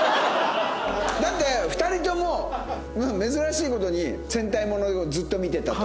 だって２人とも珍しい事に戦隊ものをずっと見てたと。